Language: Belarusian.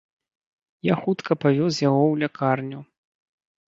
Я хутка павёз яго ў лякарню.